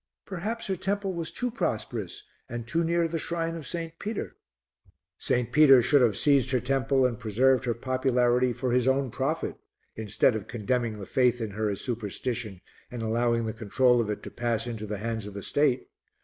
"Perhaps her temple was too prosperous and too near the shrine of St. Peter." "St. Peter should have seized her temple and preserved her popularity for his own profit instead of condemning the faith in her as superstition and allowing the control of it to pass into the hands of the state.